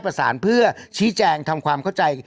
ประสานเพื่อชี้แจงทำความเข้าใจ